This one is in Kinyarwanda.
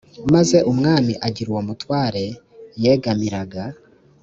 maze umwami agira uwo mutware yegamiraga